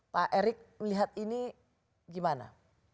pak erik melihat ini gimana